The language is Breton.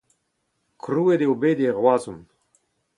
Krouet eo bet e Roazhon.